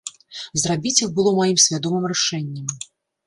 Зрабіць іх было маім свядомым рашэннем.